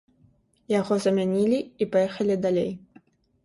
Яго замянілі і паехалі далей.